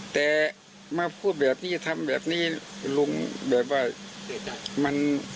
แต่มาพูดแบบนี้ทำแบบนี้คุณลุงแบบว่ามัน